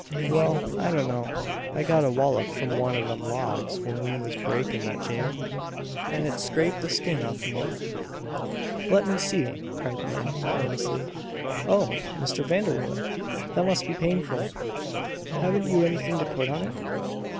"Well, I dunno. I got a wallop from one o' them logs when we was breakin' that jam, and it's scraped the skin off me arm " "Let me see," cried Nan, earnestly. "Oh! Mr. Vanderwiller! That must be painful. Haven't you anything to put on it?"